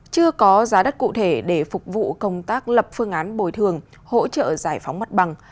chưa có giá đắt cụ thể để phục vụ công tác lập phương án bồi thường hỗ trợ giải phóng mặt bằng